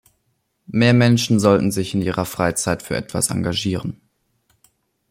Mehr Menschen sollten sich in Ihrer Freizeit für etwas engagieren.